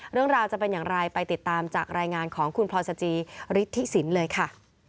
เรื่องราวจะเป็นอย่างไรไปติดตามจากรายงานของคุณพลอยสจีฤทธิสินเลยค่ะ